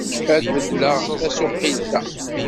Ad beddleɣ tasuqilt-a.